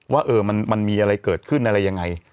ว่ามันมีอะไรเกิดขึ้นอะไรยังไง